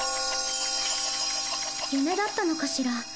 夢だったのかしら。